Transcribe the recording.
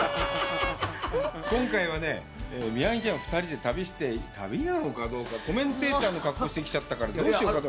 今回はね、宮城県を２人で旅して旅なのかどうか、コメンテーターの格好をして来ちゃったから、どうしようかと。